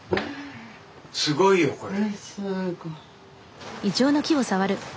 すごいよこれ。